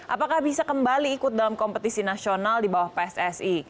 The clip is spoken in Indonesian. apakah bisa kembali ikut dalam kompetisi nasional di bawah pssi